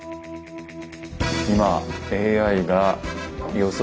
今ＡＩが予測